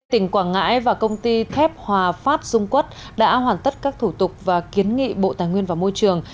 tỉnh quảng ngãi và công ty thép hòa phát dung quốc đã hoàn tất các thủ tục và kiến nghị bộ tài nguyên và môi trường